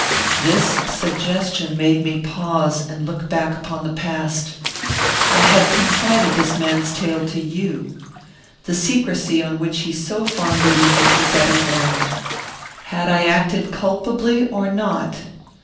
This suggestion made me pause, and look back upon the past. I had confided this man's tale to you. The secrecy on which he so fondly leaned was at an end. Had I acted culpably or not?